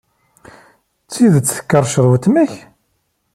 D tidet tkerrceḍ weltma-k?